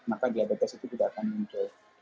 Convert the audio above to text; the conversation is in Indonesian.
maka diabetes itu tidak akan muncul